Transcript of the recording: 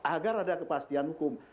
agar ada kepastian hukum